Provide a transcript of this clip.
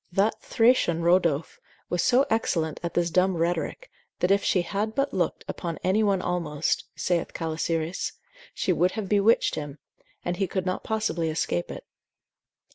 That Thracian Rodophe was so excellent at this dumb rhetoric, that if she had but looked upon any one almost (saith Calisiris) she would have bewitched him, and he could not possibly escape it.